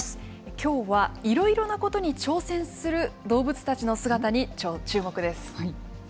きょうは、いろいろなことに挑戦する動物たちの姿に注目です。